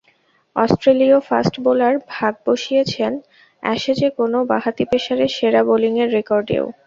অস্ট্রেলীয় fast bowler ভাগ বসিয়েছেন অ্যাশেজে কোনো বাঁহাতি পেসারের সেরা বোলিংয়ের রেকর্ডেও।